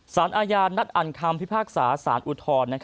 สารอาญานัดอ่านคำพิพากษาสารอุทธรณ์